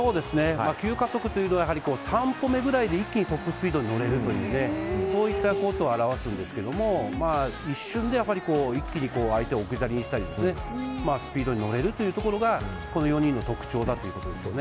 急加速というのは３歩目くらいで一気にトップスピードに乗れるということを表すんですが一瞬で一気に相手を置き去りにしたりスピードに乗れるというところがこの４人の特徴ということですよね。